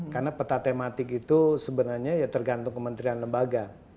karena peta tematik itu sebenarnya ya tergantung kementerian lembaga